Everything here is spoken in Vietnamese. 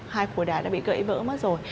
hai khối đá đã bị gãy vỡ mất rồi